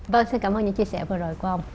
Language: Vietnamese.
vâng xin cảm ơn những chia sẻ vừa rồi của ông